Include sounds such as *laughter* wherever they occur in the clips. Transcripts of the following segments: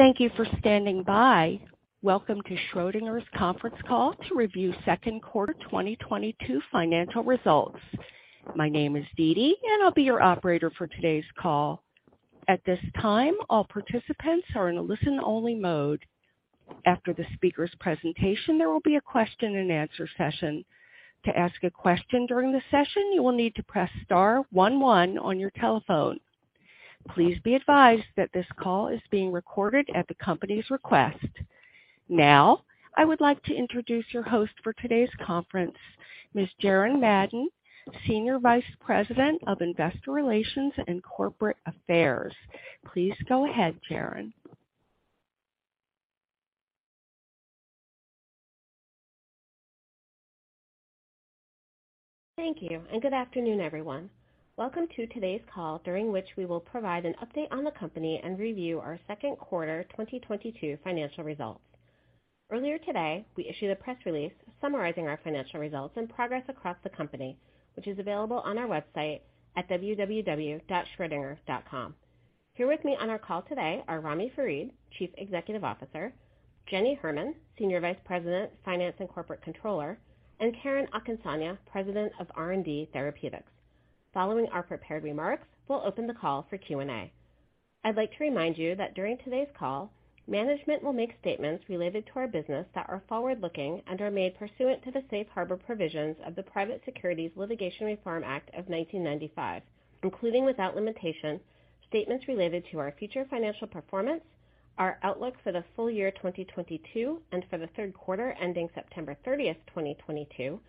Thank you for standing by. Welcome to Schrödinger's conference call to review second quarter 2022 financial results. My name is Deedee, and I'll be your operator for today's call. At this time, all participants are in a listen-only mode. After the speaker's presentation, there will be a question-and-answer session. To ask a question during the session, you will need to press star one one on your telephone. Please be advised that this call is being recorded at the company's request. Now, I would like to introduce your host for today's conference, Ms. Jaren Madden, Senior Vice President of Investor Relations and Corporate Affairs. Please go ahead, Jaren. Thank you, and good afternoon, everyone. Welcome to today's call, during which we will provide an update on the company and review our second quarter 2022 financial results. Earlier today, we issued a press release summarizing our financial results and progress across the company, which is available on our website at www.schrodinger.com. Here with me on our call today are Ramy Farid, Chief Executive Officer, Jenny Herman, Senior Vice President, Finance and Corporate Controller, and Karen Akinsanya, President of R&D Therapeutics. Following our prepared remarks, we'll open the call for Q&A. I'd like to remind you that during today's call, management will make statements related to our business that are forward-looking and are made pursuant to the safe harbor provisions of the Private Securities Litigation Reform Act of 1995, including without limitation, statements related to our future financial performance, our outlook for the full year 2022 and for the third quarter ending September 30, 2022,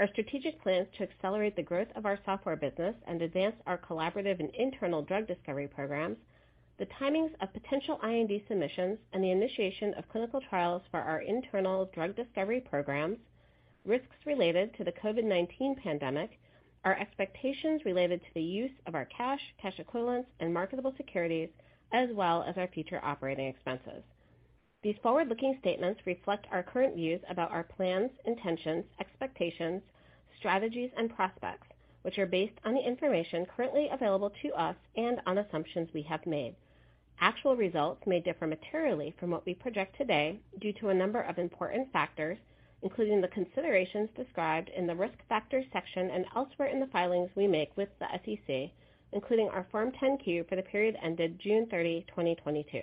our strategic plans to accelerate the growth of our software business and advance our collaborative and internal drug discovery programs, the timings of potential IND submissions and the initiation of clinical trials for our internal drug discovery programs, risks related to the COVID-19 pandemic, our expectations related to the use of our cash equivalents, and marketable securities, as well as our future operating expenses. These forward-looking statements reflect our current views about our plans, intentions, expectations, strategies, and prospects, which are based on the information currently available to us and on assumptions we have made. Actual results may differ materially from what we project today due to a number of important factors, including the considerations described in the Risk Factors section and elsewhere in the filings we make with the SEC, including our Form 10-Q for the period ended June 30, 2022.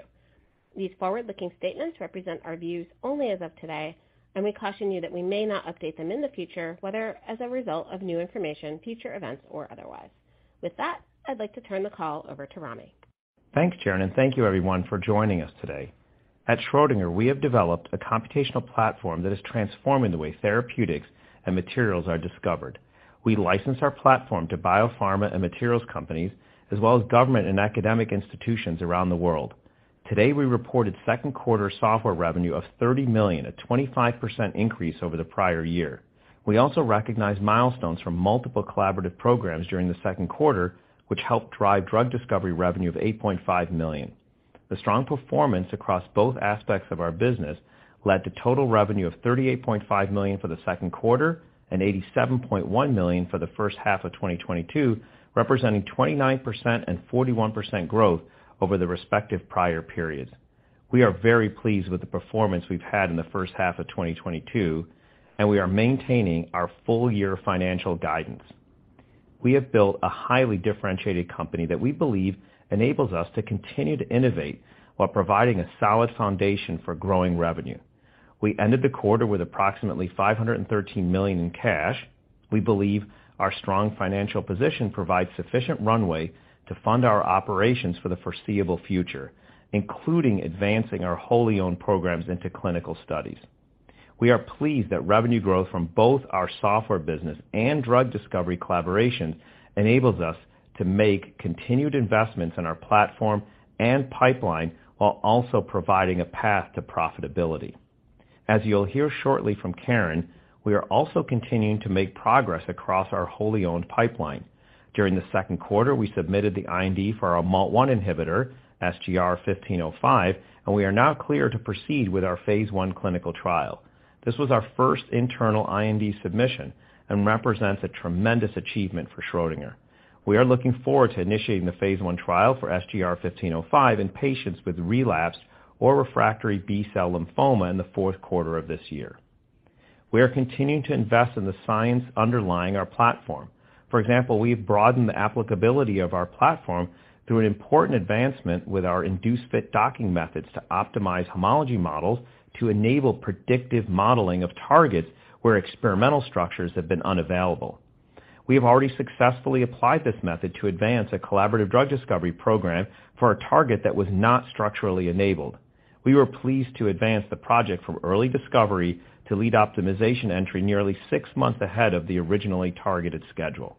These forward-looking statements represent our views only as of today, and we caution you that we may not update them in the future, whether as a result of new information, future events, or otherwise. With that, I'd like to turn the call over to Ramy. Thanks, Jaren, and thank you everyone for joining us today. At Schrödinger, we have developed a computational platform that is transforming the way therapeutics and materials are discovered. We license our platform to biopharma and materials companies, as well as government and academic institutions around the world. Today, we reported second quarter software revenue of $30 million, a 25% increase over the prior year. We also recognized milestones from multiple collaborative programs during the second quarter, which helped drive drug discovery revenue of $8.5 million. The strong performance across both aspects of our business led to total revenue of $38.5 million for the second quarter and $87.1 million for the first half of 2022, representing 29% and 41% growth over the respective prior periods. We are very pleased with the performance we've had in the first half of 2022, and we are maintaining our full year financial guidance. We have built a highly differentiated company that we believe enables us to continue to innovate while providing a solid foundation for growing revenue. We ended the quarter with approximately $513 million in cash. We believe our strong financial position provides sufficient runway to fund our operations for the foreseeable future, including advancing our wholly owned programs into clinical studies. We are pleased that revenue growth from both our software business and drug discovery collaboration enables us to make continued investments in our platform and pipeline while also providing a path to profitability. As you'll hear shortly from Karen, we are also continuing to make progress across our wholly owned pipeline. During the second quarter, we submitted the IND for our MALT1 inhibitor, SGR-1505, and we are now clear to proceed with our phase I clinical trial. This was our first internal IND submission and represents a tremendous achievement for Schrödinger. We are looking forward to initiating the phase I trial for SGR-1505 in patients with relapsed or refractory B-cell lymphoma in the fourth quarter of this year. We are continuing to invest in the science underlying our platform. For example, we've broadened the applicability of our platform through an important advancement with our induced fit docking methods to optimize homology models to enable predictive modeling of targets where experimental structures have been unavailable. We have already successfully applied this method to advance a collaborative drug discovery program for a target that was not structurally enabled. We were pleased to advance the project from early discovery to lead optimization entry nearly six months ahead of the originally targeted schedule.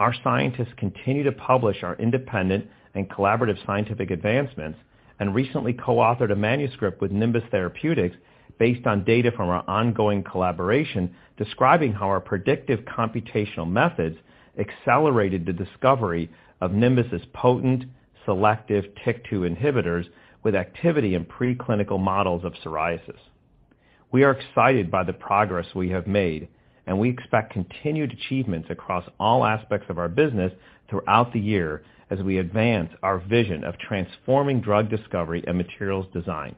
Our scientists continue to publish our independent and collaborative scientific advancements and recently co-authored a manuscript with Nimbus Therapeutics based on data from our ongoing collaboration describing how our predictive computational methods accelerated the discovery of Nimbus' potent selective TYK2 inhibitors with activity in preclinical models of psoriasis. We are excited by the progress we have made, and we expect continued achievements across all aspects of our business throughout the year as we advance our vision of transforming drug discovery and materials design.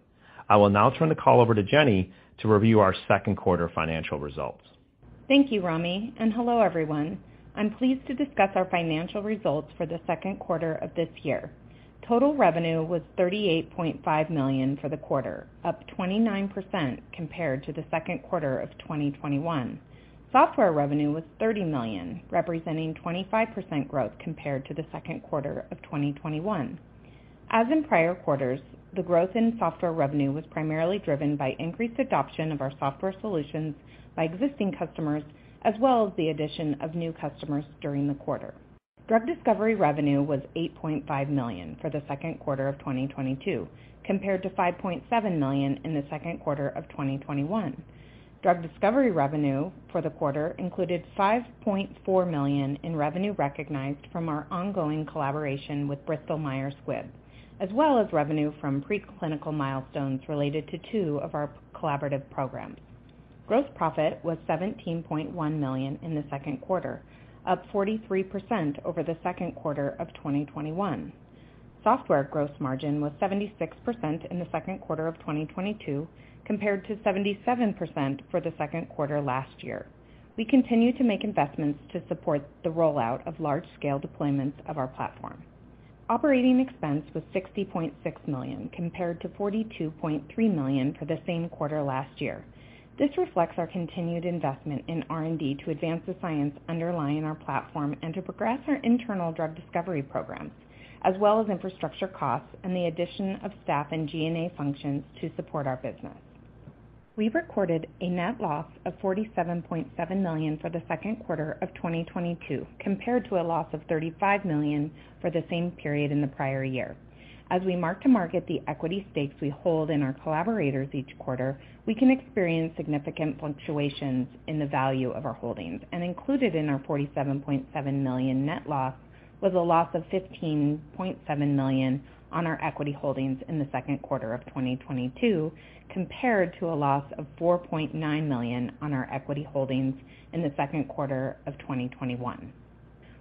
I will now turn the call over to Jenny to review our second quarter financial results. Thank you, Ramy, and hello, everyone. I'm pleased to discuss our financial results for the second quarter of this year. Total revenue was $38.5 million for the quarter, up 29% compared to the second quarter of 2021. Software revenue was $30 million, representing 25% growth compared to the second quarter of 2021. As in prior quarters, the growth in software revenue was primarily driven by increased adoption of our software solutions by existing customers, as well as the addition of new customers during the quarter. Drug discovery revenue was $8.5 million for the second quarter of 2022, compared to $5.7 million in the second quarter of 2021. Drug discovery revenue for the quarter included $5.4 million in revenue recognized from our ongoing collaboration with Bristol Myers Squibb, as well as revenue from preclinical milestones related to two of our collaborative programs. Gross profit was $17.1 million in the second quarter, up 43% over the second quarter of 2021. Software gross margin was 76% in the second quarter of 2022, compared to 77% for the second quarter last year. We continue to make investments to support the rollout of large-scale deployments of our platform. Operating expense was $60.6 million, compared to $42.3 million for the same quarter last year. This reflects our continued investment in R&D to advance the science underlying our platform and to progress our internal drug discovery programs, as well as infrastructure costs and the addition of staff and G&A functions to support our business. We recorded a net loss of $47.7 million for the second quarter of 2022, compared to a loss of $35 million for the same period in the prior year. As we mark-to-market the equity stakes we hold in our collaborators each quarter, we can experience significant fluctuations in the value of our holdings. Included in our $47.7 million net loss was a loss of $15.7 million on our equity holdings in the second quarter of 2022, compared to a loss of $4.9 million on our equity holdings in the second quarter of 2021.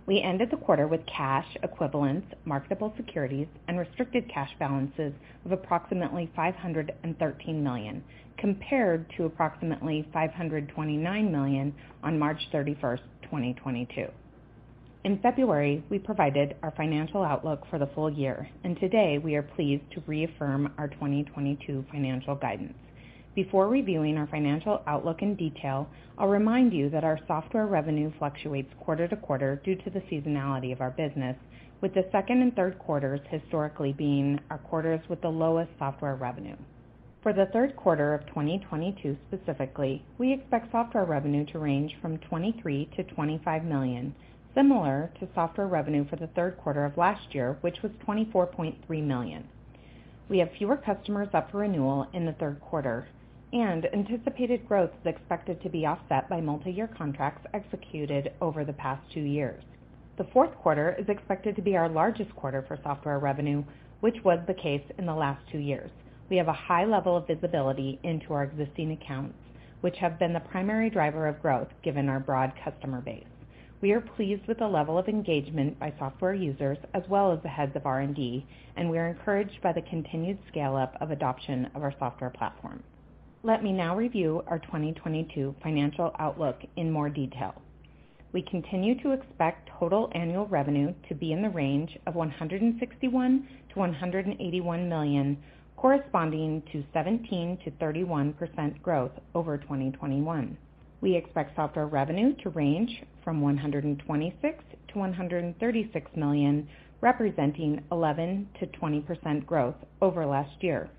We ended the quarter with cash equivalents, marketable securities, and restricted cash balances of approximately $513 million, compared to approximately $529 million on March 31, 2022. In February, we provided our financial outlook for the full year, and today we are pleased to reaffirm our 2022 financial guidance. Before reviewing our financial outlook in detail, I'll remind you that our software revenue fluctuates quarter to quarter due to the seasonality of our business, with the second and third quarters historically being our quarters with the lowest software revenue. For the third quarter of 2022 specifically, we expect software revenue to range from $23 million-$25 million, similar to software revenue for the third quarter of last year, which was $24.3 million. We have fewer customers up for renewal in the third quarter, and anticipated growth is expected to be offset by multi-year contracts executed over the past two years. The fourth quarter is expected to be our largest quarter for software revenue, which was the case in the last two years. We have a high level of visibility into our existing accounts, which have been the primary driver of growth, given our broad customer base. We are pleased with the level of engagement by software users as well as the heads of R&D, and we are encouraged by the continued scale-up of adoption of our software platform. Let me now review our 2022 financial outlook in more detail. We continue to expect total annual revenue to be in the range of $161 million-$181 million, corresponding to 17%-31% growth over 2021. We expect software revenue to range from $126 million-$136 million, representing 11%-20% growth over last year.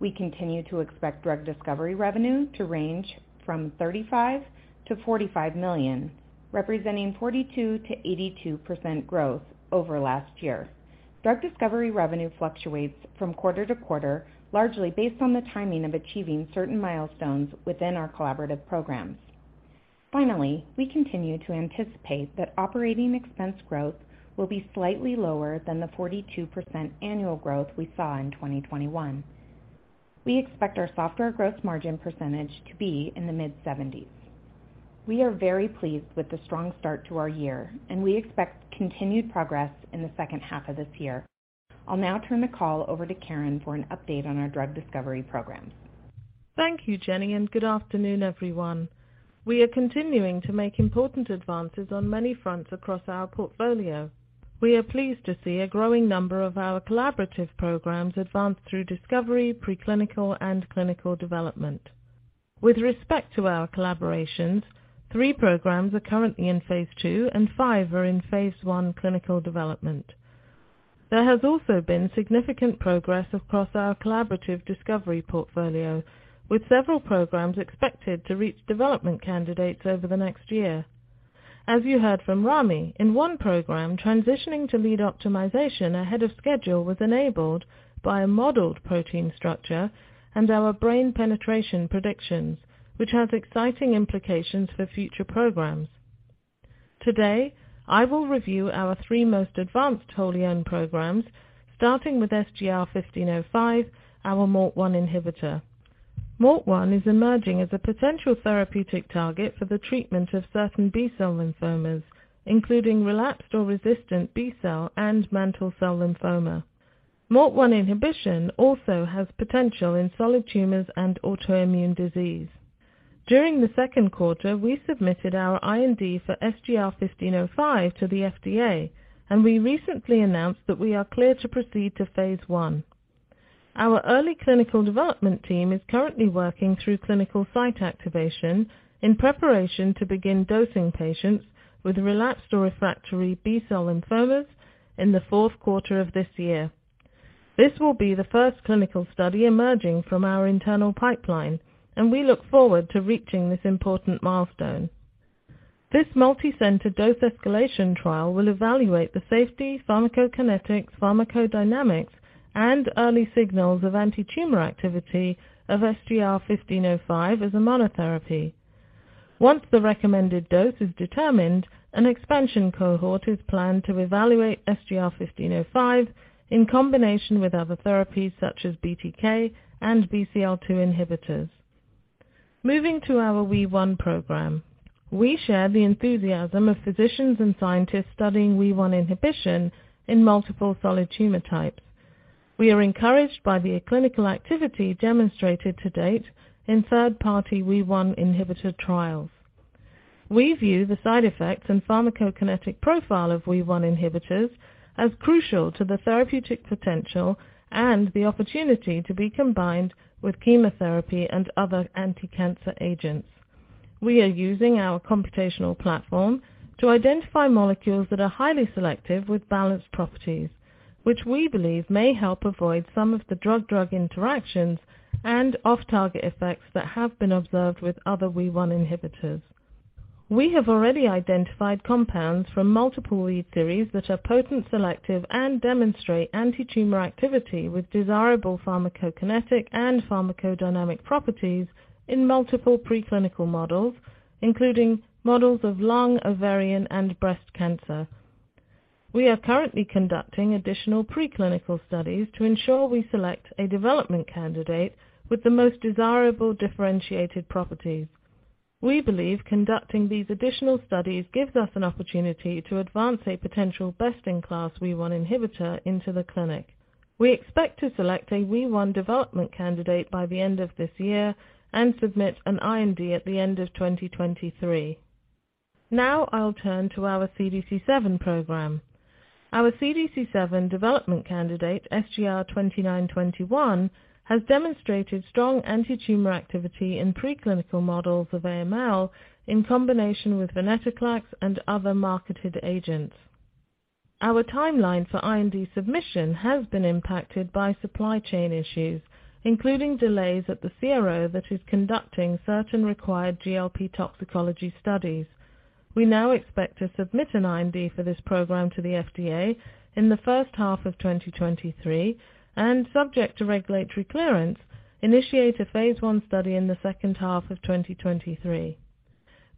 We continue to expect drug discovery revenue to range from $35 million-$45 million, representing 42%-82% growth over last year. Drug discovery revenue fluctuates from quarter to quarter, largely based on the timing of achieving certain milestones within our collaborative programs. Finally, we continue to anticipate that operating expense growth will be slightly lower than the 42% annual growth we saw in 2021. We expect our software gross margin percentage to be in the mid-70s. We are very pleased with the strong start to our year, and we expect continued progress in the second half of this year. I'll now turn the call over to Karen for an update on our drug discovery programs. Thank you, Jenny, and good afternoon, everyone. We are continuing to make important advances on many fronts across our portfolio. We are pleased to see a growing number of our collaborative programs advance through discovery, preclinical, and clinical development. With respect to our collaborations, three programs are currently in phase II and five are in phase I clinical development. There has also been significant progress across our collaborative discovery portfolio, with several programs expected to reach development candidates over the next year. As you heard from Ramy, in one program, transitioning to lead optimization ahead of schedule was enabled by a modeled protein structure and our brain penetration predictions, which has exciting implications for future programs. Today, I will review our three most advanced wholly-owned programs, starting with SGR-1505, our MALT1 inhibitor. MALT1 is emerging as a potential therapeutic target for the treatment of certain B-cell lymphomas, including relapsed or resistant B-cell and mantle cell lymphoma. MALT1 inhibition also has potential in solid tumors and autoimmune disease. During the second quarter, we submitted our IND for SGR-1505 to the FDA, and we recently announced that we are clear to proceed to phase I. Our early clinical development team is currently working through clinical site activation in preparation to begin dosing patients with relapsed or refractory B-cell lymphomas in the fourth quarter of this year. This will be the first clinical study emerging from our internal pipeline, and we look forward to reaching this important milestone. This multi-center dose escalation trial will evaluate the safety, pharmacokinetics, pharmacodynamics, and early signals of antitumor activity of SGR-1505 as a monotherapy. Once the recommended dose is determined, an expansion cohort is planned to evaluate SGR-1505 in combination with other therapies such as BTK and BCL-2 inhibitors. Moving to our WEE1 program. We share the enthusiasm of physicians and scientists studying WEE1 inhibition in multiple solid tumor types. We are encouraged by the clinical activity demonstrated to date in third party WEE1 inhibitor trials. We view the side effects and pharmacokinetic profile of WEE1 inhibitors as crucial to the therapeutic potential and the opportunity to be combined with chemotherapy and other anticancer agents. We are using our computational platform to identify molecules that are highly selective with balanced properties, which we believe may help avoid some of the drug-drug interactions and off-target effects that have been observed with other WEE1 inhibitors. We have already identified compounds from multiple lead series that are potent, selective, and demonstrate antitumor activity with desirable pharmacokinetic and pharmacodynamic properties in multiple preclinical models, including models of lung, ovarian, and breast cancer. We are currently conducting additional preclinical studies to ensure we select a development candidate with the most desirable differentiated properties. We believe conducting these additional studies gives us an opportunity to advance a potential best-in-class WEE1 inhibitor into the clinic. We expect to select a WEE1 development candidate by the end of this year and submit an IND at the end of 2023. Now I'll turn to our CDC7 program. Our CDC7 development candidate, SGR-2921, has demonstrated strong antitumor activity in preclinical models of AML in combination with venetoclax and other marketed agents. Our timeline for IND submission has been impacted by supply chain issues, including delays at the CRO that is conducting certain required GLP toxicology studies. We now expect to submit an IND for this program to the FDA in the first half of 2023 and subject to regulatory clearance, initiate a phase I study in the second half of 2023.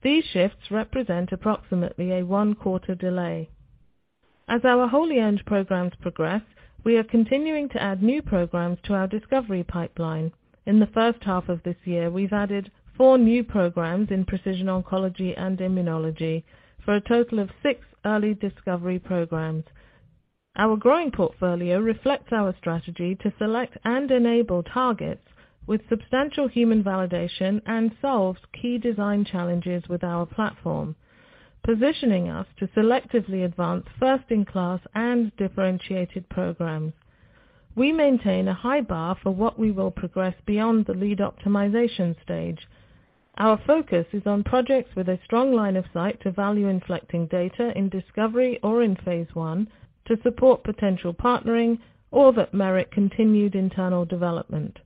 These shifts represent approximately a one-quarter delay. As our wholly-owned programs progress, we are continuing to add new programs to our discovery pipeline. In the first half of this year, we've added four new programs in precision oncology and immunology for a total of six early discovery programs. Our growing portfolio reflects our strategy to select and enable targets with substantial human validation and solves key design challenges with our platform, positioning us to selectively advance first-in-class and differentiated programs. We maintain a high bar for what we will progress beyond the lead optimization stage. Our focus is on projects with a strong line of sight to value-inflecting data in discovery or in phase I to support potential partnering or that merit continued internal development.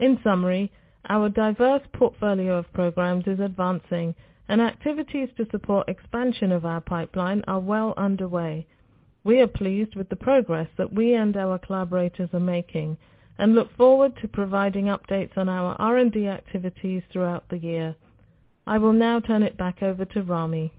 In summary, our diverse portfolio of programs is advancing and activities to support expansion of our pipeline are well underway. We are pleased with the progress that we and our collaborators are making and look forward to providing updates on our R&D activities throughout the year. I will now turn it back over to Ramy.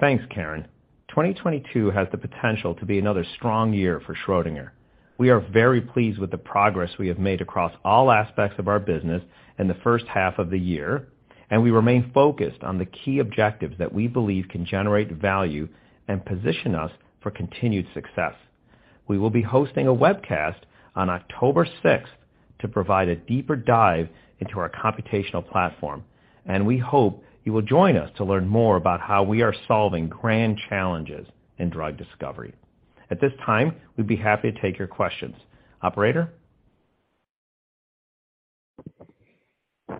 Thanks, Karen. 2022 has the potential to be another strong year for Schrödinger. We are very pleased with the progress we have made across all aspects of our business in the first half of the year, and we remain focused on the key objectives that we believe can generate value and position us for continued success. We will be hosting a webcast on October sixth to provide a deeper dive into our computational platform, and we hope you will join us to learn more about how we are solving grand challenges in drug discovery. At this time, we'd be happy to take your questions. Operator?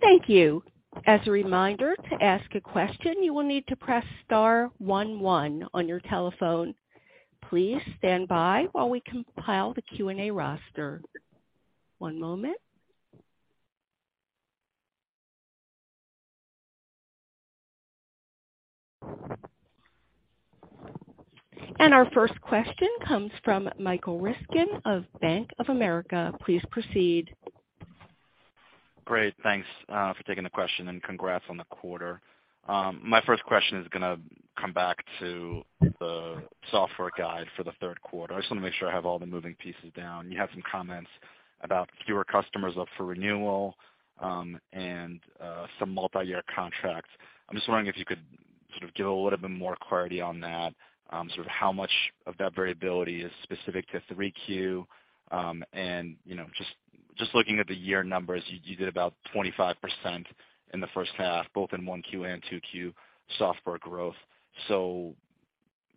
Thank you. As a reminder to ask a question, you will need to press star one one on your telephone. Please stand by while we compile the Q&A roster. One moment. Our first question comes from Michael Ryskin of Bank of America. Please proceed. Great. Thanks for taking the question and congrats on the quarter. My first question is gonna come back to the software guide for the third quarter. I just want to make sure I have all the moving pieces down. You have some comments about fewer customers up for renewal and some multi-year contracts. I'm just wondering if you could sort of give a little bit more clarity on that, sort of how much of that variability is specific to 3Q, and you know, just looking at the year numbers, you did about 25% in the first half, both in 1Q and 2Q software growth.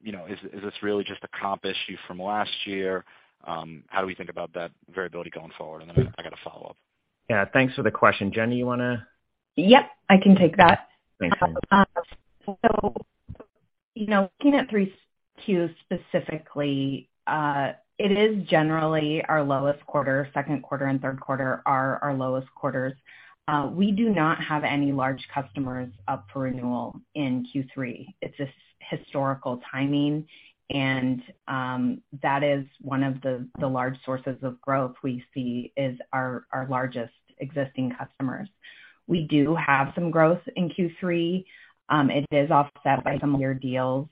You know, is this really just a comp issue from last year? How do we think about that variability going forward? And then I got a follow-up. Yeah, thanks for the question. Jen, do you wanna? Yep, I can take that. Thanks. You know, looking at Q3 specifically, it is generally our lowest quarter. Second quarter and third quarter are our lowest quarters. We do not have any large customers up for renewal in Q3. It's just historical timing and that is one of the large sources of growth we see is our largest existing customers. We do have some growth in Q3. It is offset by some of your deals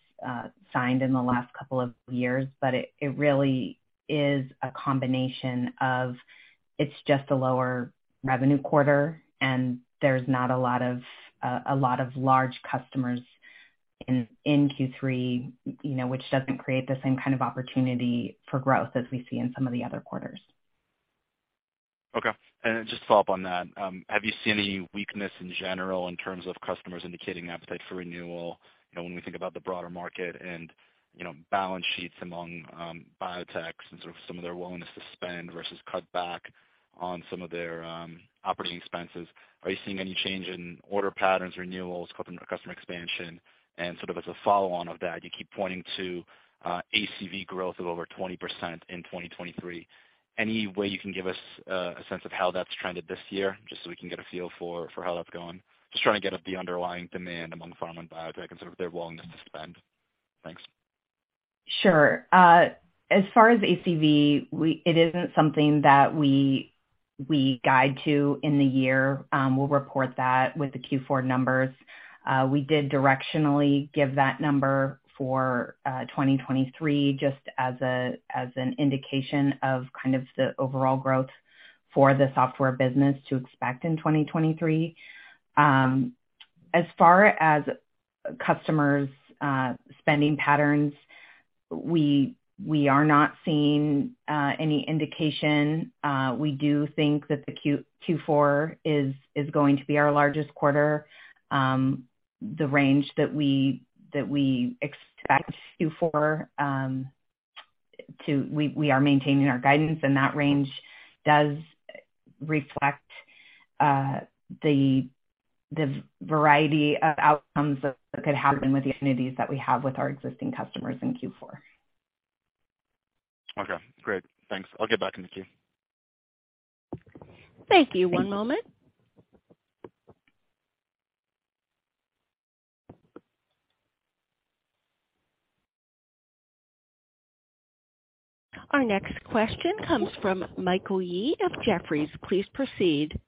signed in the last couple of years, but it really is a combination of it's just a lower revenue quarter and there's not a lot of large customers in Q3, you know, which doesn't create the same kind of opportunity for growth as we see in some of the other quarters. Okay. Just to follow up on that, have you seen any weakness in general in terms of customers indicating appetite for renewal? You know, when we think about the broader market and, you know, balance sheets among biotechs and sort of some of their willingness to spend versus cut back on some of their operating expenses, are you seeing any change in order patterns, renewals, customer expansion? Sort of as a follow on of that, you keep pointing to ACV growth of over 20% in 2023. Any way you can give us a sense of how that's trended this year, just so we can get a feel for how that's going? Just trying to get at the underlying demand among pharma and biotech and sort of their willingness to spend. Thanks. Sure. As far as ACV, it isn't something that we guide to in the year. We'll report that with the Q4 numbers. We did directionally give that number for 2023, just as an indication of kind of the overall growth for the software business to expect in 2023. As far as customers' spending patterns, we are not seeing any indication. We do think that the Q4 is going to be our largest quarter. We are maintaining our guidance and that range does reflect the variety of outcomes that could happen with the affinities that we have with our existing customers in Q4. Okay, great. Thanks. I'll get back in the queue. Thank you. One moment. Our next question comes from Michael Yee of Jefferies. Please proceed.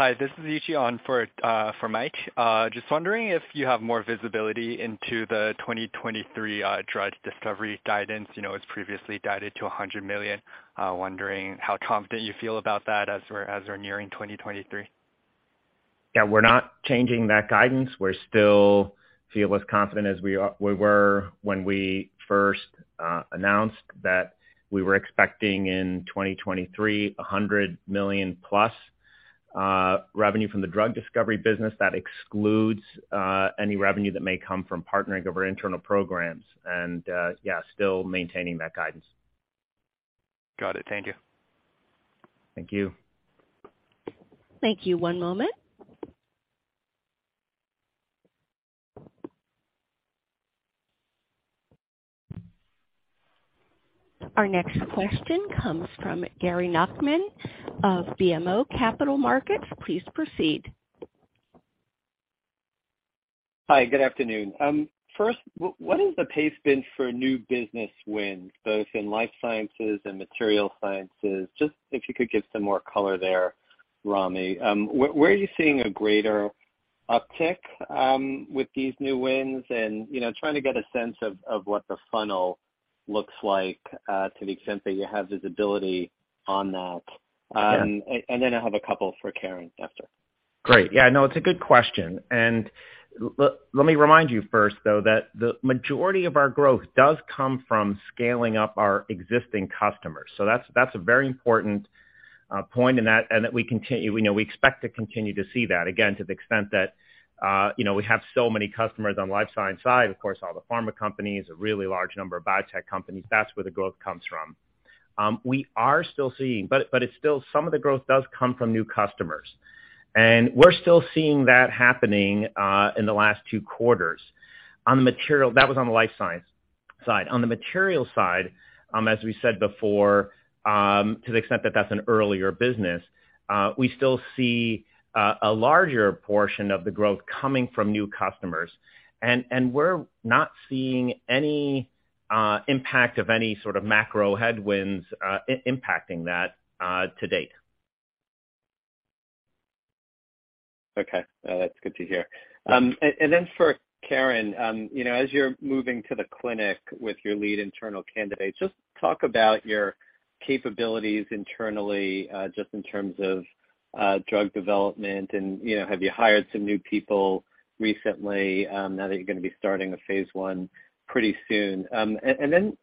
Hi, this is *inaudible* on for Mike. Just wondering if you have more visibility into the 2023 drug discovery guidance. You know, it's previously guided to $100 million. Wondering how confident you feel about that as we're nearing 2023. Yeah, we're not changing that guidance. We're still feel as confident as we were when we first announced that we were expecting in 2023, $100 million+ revenue from the drug discovery business. That excludes any revenue that may come from partnering of our internal programs. Yeah, still maintaining that guidance. Got it. Thank you. Thank you. Thank you. One moment. Our next question comes from Gary Nachman of BMO Capital Markets. Please proceed. Hi, good afternoon. First, what has the pace been for new business wins, both in life sciences and materials sciences? Just if you could give some more color there, Ramy. Where are you seeing a greater uptick with these new wins and, you know, trying to get a sense of what the funnel looks like, to the extent that you have visibility on that. Then I have a couple for Karen after. Great. Yeah, no, it's a good question. Let me remind you first, though, that the majority of our growth does come from scaling up our existing customers. That's a very important point in that, and that we continue, you know, we expect to continue to see that again, to the extent that, you know, we have so many customers on the life science side, of course, all the pharma companies, a really large number of biotech companies, that's where the growth comes from. We are still seeing, but it's still some of the growth does come from new customers. We're still seeing that happening in the last two quarters. That was on the life science side. On the material side, as we said before, to the extent that that's an earlier business, we still see a larger portion of the growth coming from new customers. We're not seeing any Impact of any sort of macro headwinds impacting that to date. Okay. That's good to hear. For Karen, you know, as you're moving to the clinic with your lead internal candidates, just talk about your capabilities internally, just in terms of drug development and, you know, have you hired some new people recently, now that you're gonna be starting a phase I pretty soon?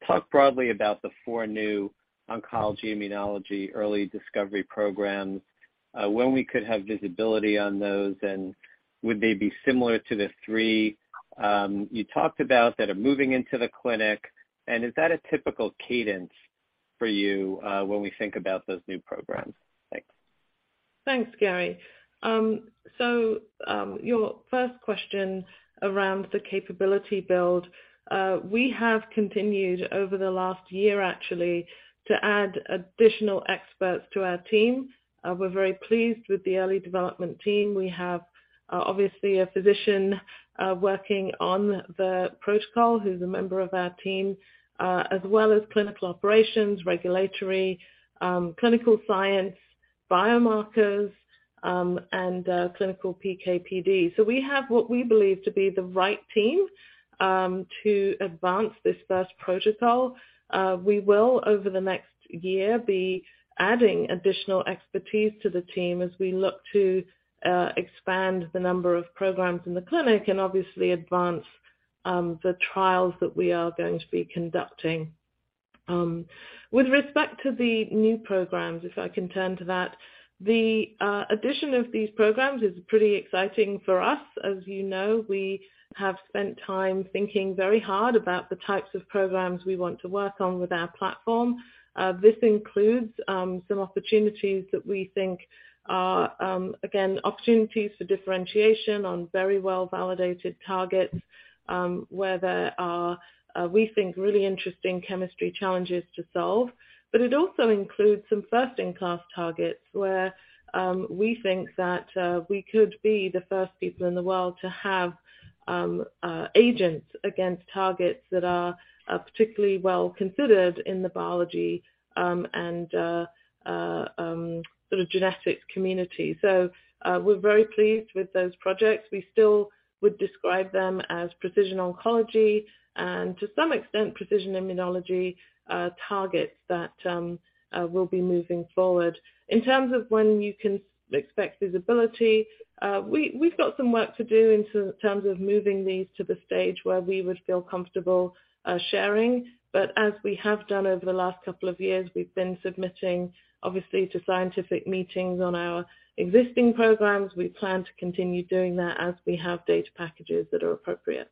Talk broadly about the four new oncology immunology early discovery programs, when we could have visibility on those, and would they be similar to the three you talked about that are moving into the clinic? Is that a typical cadence for you, when we think about those new programs? Thanks. Thanks, Gary. Your first question around the capability build. We have continued over the last year, actually, to add additional experts to our team. We're very pleased with the early development team. We have obviously a physician working on the protocol who's a member of our team, as well as clinical operations, regulatory, clinical science, biomarkers, and clinical PK/PD. We have what we believe to be the right team to advance this first protocol. We will, over the next year, be adding additional expertise to the team as we look to expand the number of programs in the clinic and obviously advance the trials that we are going to be conducting. With respect to the new programs, if I can turn to that. The addition of these programs is pretty exciting for us. As you know, we have spent time thinking very hard about the types of programs we want to work on with our platform. This includes some opportunities that we think are again opportunities for differentiation on very well-validated targets where there are, we think, really interesting chemistry challenges to solve. It also includes some first-in-class targets where we think that we could be the first people in the world to have agents against targets that are particularly well-considered in the biology and sort of genetics community. We're very pleased with those projects. We still would describe them as precision oncology and to some extent precision immunology targets that we'll be moving forward. In terms of when you can expect visibility, we've got some work to do in terms of moving these to the stage where we would feel comfortable sharing. As we have done over the last couple of years, we've been submitting obviously to scientific meetings on our existing programs. We plan to continue doing that as we have data packages that are appropriate.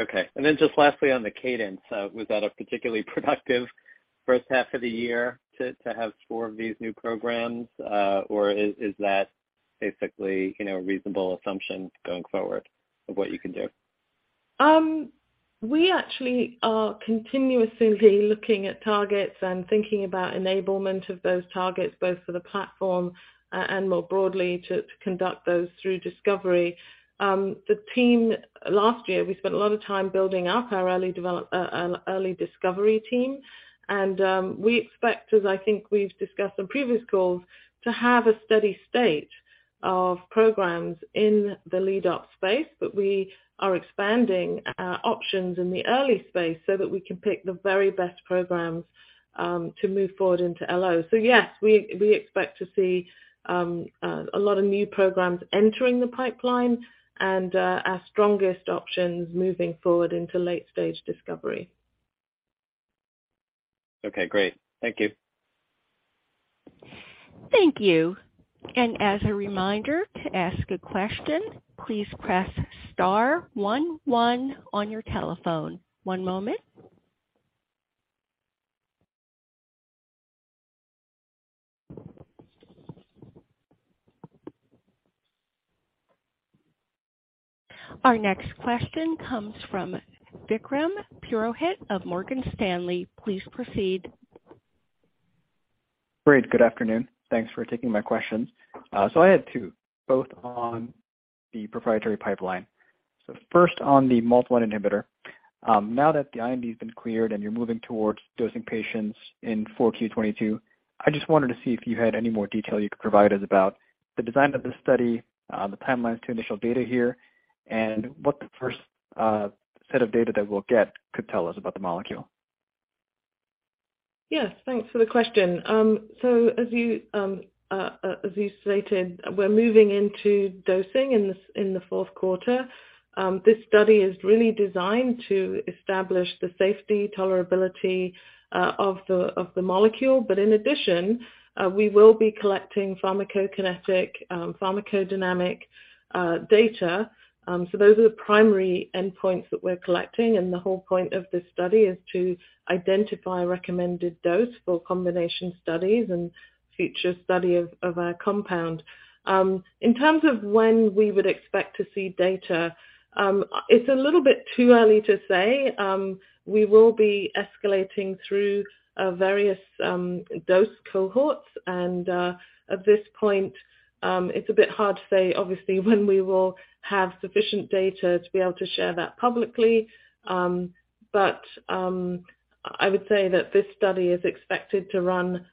Okay. Just lastly on the cadence, was that a particularly productive first half of the year to have four of these new programs? Or is that basically, you know, a reasonable assumption going forward of what you can do? We actually are continuously looking at targets and thinking about enablement of those targets, both for the platform, and more broadly, to conduct those through discovery. Last year, we spent a lot of time building up our early discovery team, and we expect, as I think we've discussed on previous calls, to have a steady state of programs in the lead-up space. We are expanding our options in the early space so that we can pick the very best programs to move forward into LO. Yes, we expect to see a lot of new programs entering the pipeline and our strongest options moving forward into late-stage discovery. Okay, great. Thank you. Thank you. As a reminder, to ask a question, please press star one one on your telephone. One moment. Our next question comes from Vikram Purohit of Morgan Stanley. Please proceed. Great. Good afternoon. Thanks for taking my questions. I had two, both on the proprietary pipeline. First on the MALT1 inhibitor. Now that the IND has been cleared and you're moving towards dosing patients in 4Q 2022, I just wanted to see if you had any more detail you could provide us about the design of this study, the timelines to initial data here, and what the first set of data that we'll get could tell us about the molecule. Yes. Thanks for the question. As you stated, we're moving into dosing in the fourth quarter. This study is really designed to establish the safety, tolerability of the molecule. In addition, we will be collecting pharmacokinetic, pharmacodynamic data. Those are the primary endpoints that we're collecting, and the whole point of this study is to identify recommended dose for combination studies and future study of our compound. In terms of when we would expect to see data, it's a little bit too early to say. We will be escalating through various dose cohorts, and at this point, it's a bit hard to say obviously when we will have sufficient data to be able to share that publicly. I would say that this study is expected to run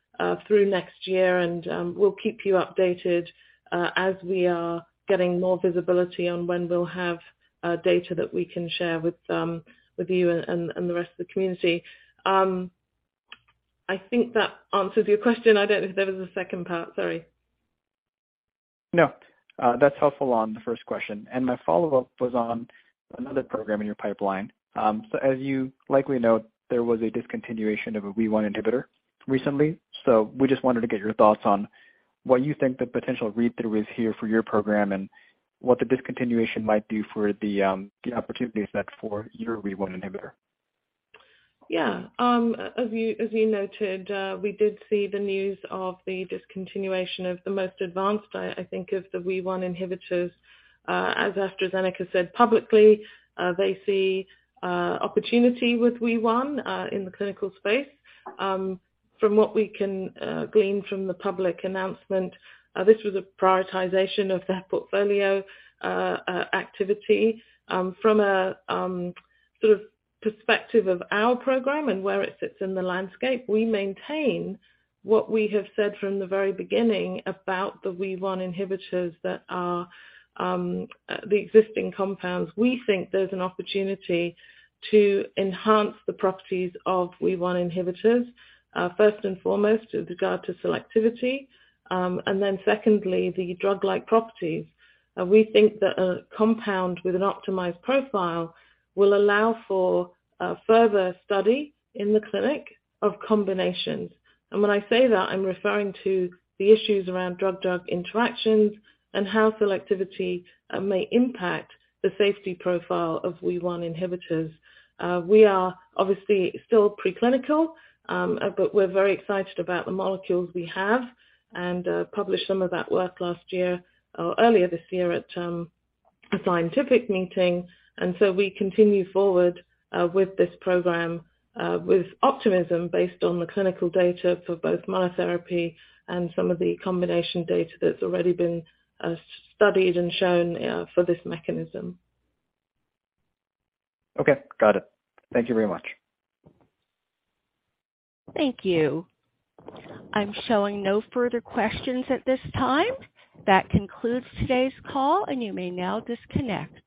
through next year and we'll keep you updated as we are getting more visibility on when we'll have data that we can share with you and the rest of the community. I think that answers your question. I don't know if there was a second part, sorry. No, that's helpful on the first question. My follow-up was on another program in your pipeline. As you likely know, there was a discontinuation of a WEE1 inhibitor recently. We just wanted to get your thoughts on what you think the potential read-through is here for your program, and what the discontinuation might do for the opportunity set for your WEE1 inhibitor. Yeah. As you noted, we did see the news of the discontinuation of the most advanced, I think of the WEE1 inhibitors. As AstraZeneca said publicly, they see opportunity with WEE1 in the clinical space. From what we can glean from the public announcement, this was a prioritization of their portfolio activity. From a sort of perspective of our program and where it sits in the landscape, we maintain what we have said from the very beginning about the WEE1 inhibitors that are the existing compounds. We think there's an opportunity to enhance the properties of WEE1 inhibitors. First and foremost with regard to selectivity, and then secondly, the drug-like properties. We think that a compound with an optimized profile will allow for further study in the clinic of combinations. When I say that, I'm referring to the issues around drug-drug interactions and how selectivity may impact the safety profile of WEE1 inhibitors. We are obviously still preclinical, but we're very excited about the molecules we have and published some of that work last year or earlier this year at a scientific meeting. We continue forward with this program with optimism based on the clinical data for both monotherapy and some of the combination data that's already been studied and shown for this mechanism. Okay. Got it. Thank you very much. Thank you. I'm showing no further questions at this time. That concludes today's call, and you may now disconnect.